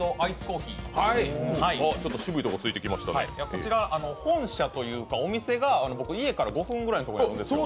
こちら本社というか、お店が僕の家から５分くらいのところにあるんですよ